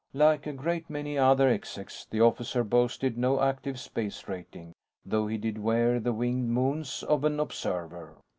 Like a great many other execs, the officer boasted no active space rating, though he did wear the winged moons of an observer.